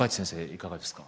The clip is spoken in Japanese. いかがですか。